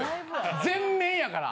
全面やから。